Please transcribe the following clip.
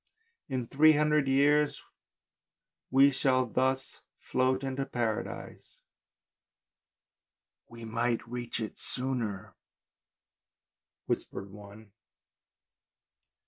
" In three hundred years we shall thus float into Paradise." " We might reach it sooner," whispered one.